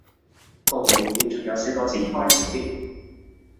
個會議仲有四個字開始